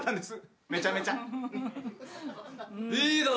めちゃめちゃ。